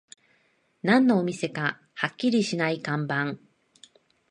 何のお店かはっきりしない看板